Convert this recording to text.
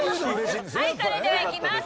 はいそれではいきます。